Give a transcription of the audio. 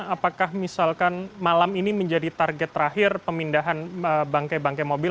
apakah misalkan malam ini menjadi target terakhir pemindahan bangke bangkai mobil